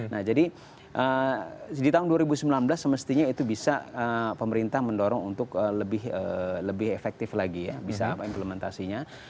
nah jadi di tahun dua ribu sembilan belas semestinya itu bisa pemerintah mendorong untuk lebih efektif lagi ya bisa implementasinya